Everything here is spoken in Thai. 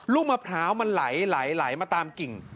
ลูกมะพร้าวมันไหลมาตามกิ่ง